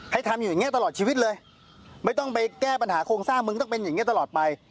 ทำอยู่อย่างเงี้ตลอดชีวิตเลยไม่ต้องไปแก้ปัญหาโครงสร้างมึงต้องเป็นอย่างนี้ตลอดไป